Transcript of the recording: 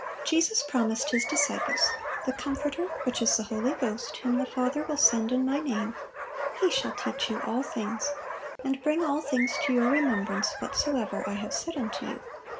Jesus promised His disciples, "The Comforter, which is the Holy Ghost, whom the Father will send in My name, He shall teach you all things, and bring all things to your remembrance, whatsoever I have said unto you."